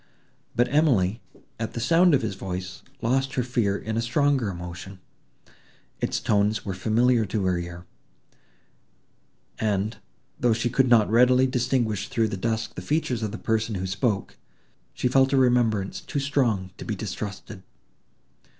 But Emily, at the sound of his voice, lost her fear in a stronger emotion: its tones were familiar to her ear, and, though she could not readily distinguish through the dusk the features of the person who spoke, she felt a remembrance too strong to be distrusted.